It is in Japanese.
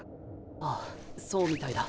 ああそうみたいだ。